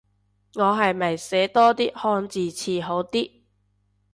我係咪寫多啲漢字詞好啲